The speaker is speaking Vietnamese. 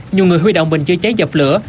nhiều người huy động bình chưa cháy dập lửa